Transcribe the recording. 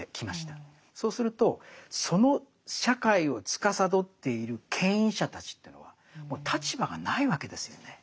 そうするとその社会をつかさどっている権威者たちというのはもう立場がないわけですよね。